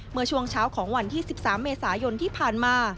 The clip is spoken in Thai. เมื่อช่วงเช้าของวันที่๑๓เมษายนที่ผ่านมา